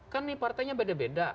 kan nih partainya beda beda